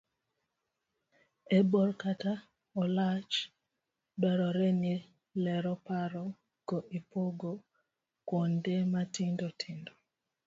e bor kata olach, dwarore ni lero paro go ipogo kuonde matindo tindo